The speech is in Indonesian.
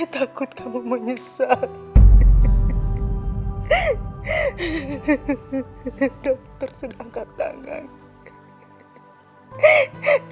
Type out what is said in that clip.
inmove hp kamu jenguk ibu kamu sebelum dia meninggal nah